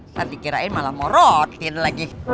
nanti kirain malah mau rotin lagi